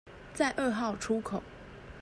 在二號出口